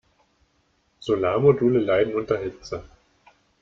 Solarmodule leiden unter Hitze.